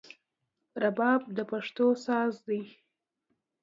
رباب د پښتو ساز دی